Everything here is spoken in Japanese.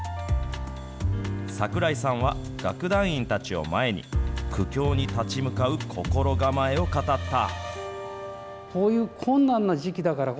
桜井さんは、楽団員たちを前に、苦境に立ち向かう心構えを語った。